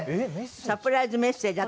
サプライズメッセージ。